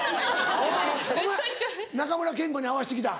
あっお前中村憲剛に合わしてきた？